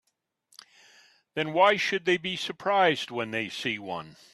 Then why should they be surprised when they see one?